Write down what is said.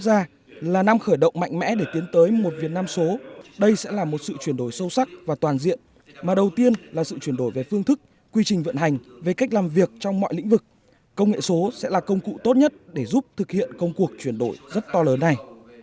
năm nay là năm khởi động mạnh mẽ để tiến tới một việt nam số đây sẽ là một sự chuyển đổi sâu sắc và toàn diện mà đầu tiên là sự chuyển đổi về phương thức quy trình vận hành về cách làm việc trong mọi lĩnh vực công nghệ số sẽ là công cụ tốt nhất để giúp thực hiện công cuộc chuyển đổi rất to lớn này